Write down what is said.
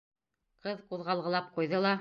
Ҡыҙ ҡуҙғалғылап ҡуйҙы ла: